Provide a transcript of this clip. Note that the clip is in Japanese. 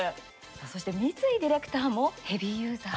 そして三井ディレクターもヘビーユーザー。